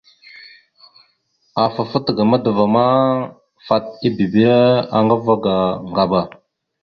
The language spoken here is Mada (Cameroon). Afa fat ga madəva ma, fat ibibire aŋga ava ga Ŋgaba.